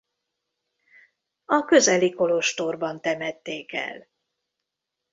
A közeli kolostorban temették el.